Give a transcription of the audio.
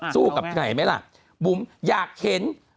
สู้กับใครไหมล่ะบุ๋มอยากเห็น